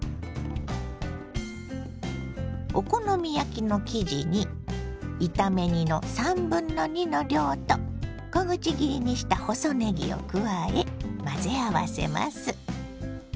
お好み焼きの生地に炒め煮の2/3の量と小口切りにした細ねぎを加え混ぜ合わせます。